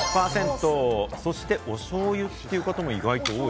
そしてお醤油っていう方も意外と多い。